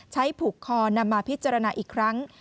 ผูกคอนำมาพิจารณาอีกครั้ง